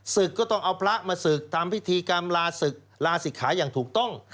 ศึกก็ต้องเอาพระมาศึกทำพิธีกรรมลาศึกลาศิกขาอย่างถูกต้อง